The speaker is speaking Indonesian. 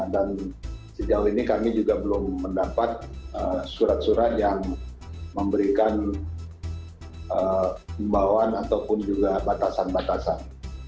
dan sejauh ini kami juga belum mendapat surat surat yang memberikan pembawaan ataupun juga batasan batasan